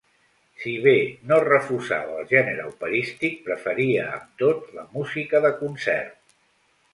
Si bé no refusava el gènere operístic, preferia, amb tot, la música de concert.